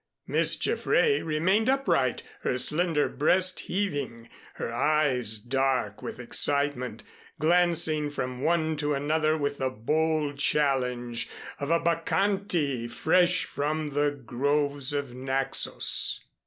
Miss Jaffray remained upright, her slender breast heaving, her eyes dark with excitement, glancing from one to another with the bold challenge of a Bacchante fresh from the groves of Naxos.